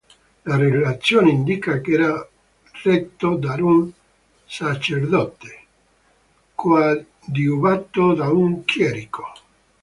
La relazione indica che era retto da un sacerdote coadiuvato da un chierico.